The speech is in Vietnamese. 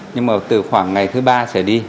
nhưng mà từ khoảng ngày thứ ba trở đi